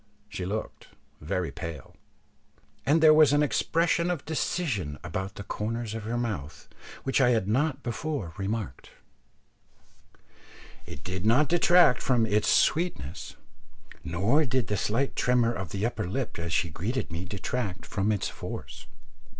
She looked very pale, and there was an expression of decision about the corners of her mouth which I had not before remarked. It did not detract from its sweetness, nor did the slight tremor of the upper lip as she greeted me detract from its force.